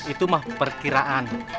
itu mah perkiraan